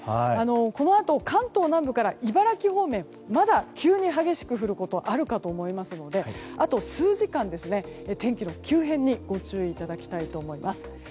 このあと関東南部から茨城方面まだ急に激しく降ることがあるかと思いますのであと数時間、天気の急変にご注意いただきたいと思います。